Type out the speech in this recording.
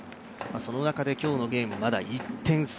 その中で今日のゲーム、１点差。